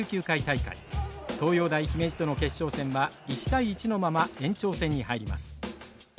東洋大姫路との決勝戦は１対１のまま延長戦に入ります。